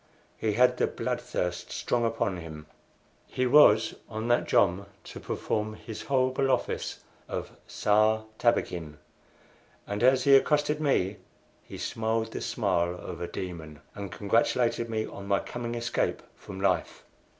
He had the blood thirst strong upon him. He was on that jom to perform his horrible office of Sar Tabakin, and as he accosted me he smiled the smile of a demon, and congratulated me on my coming escape from life.